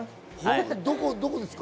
どこですか？